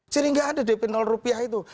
jadi enggak ada dp rupiah itu